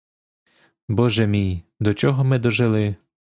Боже мій, до чого ми дожили!